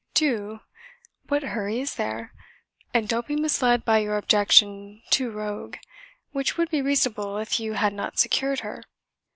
"Do. What hurry is there? And don't be misled by your objection to rogue; which would be reasonable if you had not secured her."